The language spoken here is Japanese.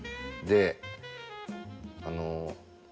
であの。